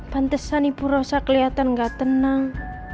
pantesan ibu rosa kelihatan gak tenang